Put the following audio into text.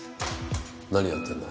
何やってんだ。